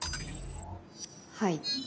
はい。